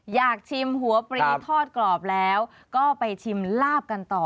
อยากชิมหัวปรีทอดกรอบแล้วก็ไปชิมลาบกันต่อ